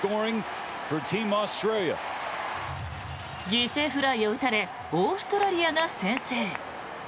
犠牲フライを打たれオーストラリアが先制。